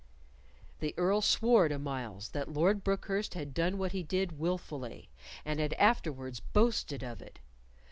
The Earl swore to Myles that Lord Brookhurst had done what he did wilfully, and had afterwards boasted of it.